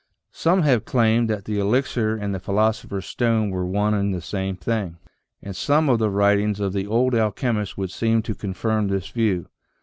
Some have claimed that the elixir and the philosopher's stone were one and the same thing, and some of the writ ings of the old alchemists would seem to confirm this view.